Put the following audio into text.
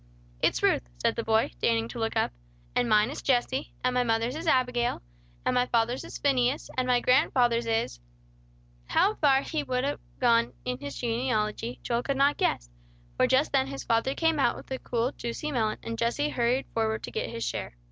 "It's Ruth," said the boy, deigning to look up. "And mine is Jesse, and my mother's is Abigail, and my father's is Phineas, and my grandfather's is " How far back he would have gone in his genealogy, Joel could not guess; for just then his father came out with a cool, juicy melon, and Jesse hurried forward to get his share.